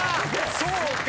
そうか。